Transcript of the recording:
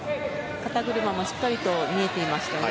肩車もしっかりと見えていますよね。